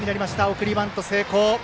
送りバント成功。